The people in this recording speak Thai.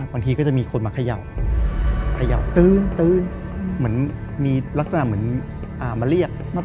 บางทีก็จะมีคนมาเขย่าเขย่าตื้นเหมือนมีลักษณะเหมือนมาเรียก